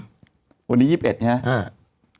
วันนี้๒๑ครับ